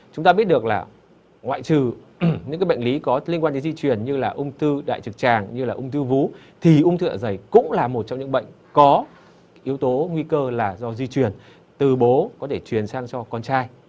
chúng ta biết được là ngoại trừ những bệnh lý có liên quan đến di chuyển như là ung thư đại trực tràng như là ung thư vú thì ung thư dạ dày cũng là một trong những bệnh có yếu tố nguy cơ là do di chuyển từ bố có thể truyền sang cho con trai